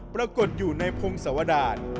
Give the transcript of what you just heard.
ปรากฏอยู่ในพงศวดาร